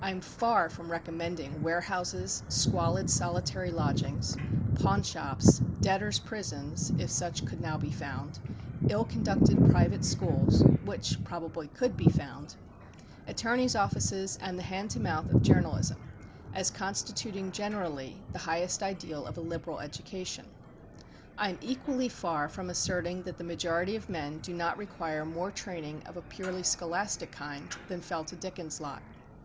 I am far from recommending warehouses, squalid solitary lodgings, pawnshops, debtors' prisons, if such could now be found, ill conducted private schools, which probably could be found, attorneys' offices, and the hand to mouth of journalism, as constituting generally the highest ideal of a liberal education. I am equally far from asserting that the majority of men do not require more training of a purely scholastic kind than fell to Dickens' lot.